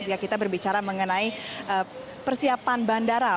jika kita berbicara mengenai persiapan bandara